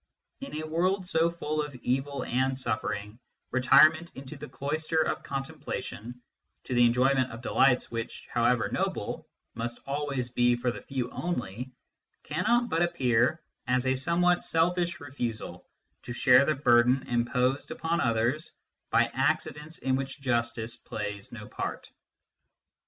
In a world so full of evil and suffering, retirement into the cloister of contempla tion, to the enjoyment of delights which, however noble, must always be for the few only, cannot but appear as a somewhat selfish refusal to share the burden imposed upon others by accidents in which justice plays no part.